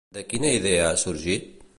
De quina idea ha sorgit?